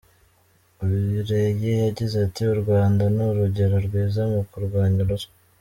Gureye yagize ati "U Rwanda ni urugero rwiza mu kurwanya ruswa.